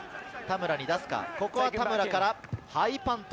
ここは田村からハイパント。